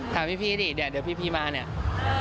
ถามพี่ดิเดี๋ยวพี่มาเนี่ย